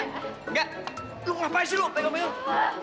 nggak lu ngapain sih lu pegang pegang